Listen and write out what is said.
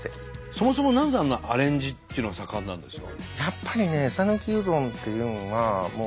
そもそもなぜあんなアレンジっていうのが盛んなんですか？